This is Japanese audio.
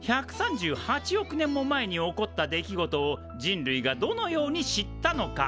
１３８億年も前に起こった出来事を人類がどのように知ったのか？